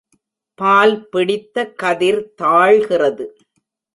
பால் பிடித்த கதிர் தாழ்கிறது.